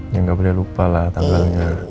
ya gak boleh lupa lah tanggalnya